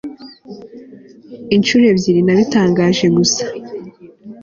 Inshuro ebyiri nabitangaje gusa